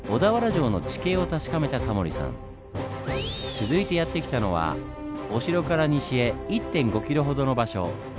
続いてやって来たのはお城から西へ１．５ｋｍほどの場所。